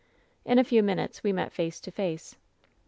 "In a few minutes we met face to face.